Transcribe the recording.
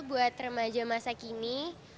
buat remaja masa kini